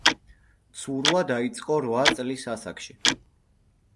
ცურვა დაიწყო რვა წლის ასაკში.